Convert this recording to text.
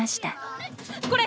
これ！